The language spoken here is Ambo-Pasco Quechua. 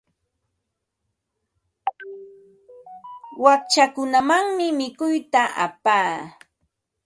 Wakchakunamanmi mikuyta apaa.